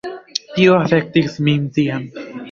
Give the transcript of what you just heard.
Tio afektis min tiam.